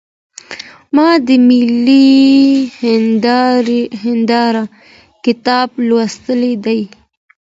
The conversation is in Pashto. ما د ملي هنداره کتاب لوستی دی.